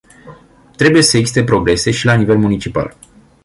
Trebuie să existe progrese și la nivel municipal.